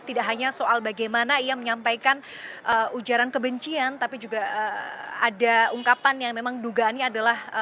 tidak hanya soal bagaimana ia menyampaikan ujaran kebencian tapi juga ada ungkapan yang memang dugaannya adalah